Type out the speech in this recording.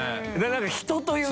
何か人というか。